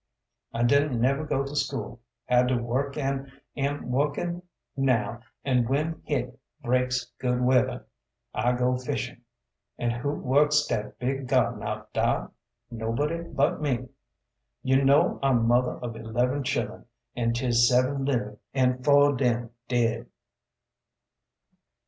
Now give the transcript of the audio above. I didn't never go to school. Had to work an' am working now an' when hit breaks good weather, I go fishing. And who works dat big garden out dar? No body but me. You know I'm mother of eleven chillun', an' 'tis seven living an' four of dem ded.